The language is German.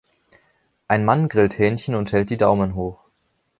Ein Mann grillt Hähnchen und hält die Daumen hoch.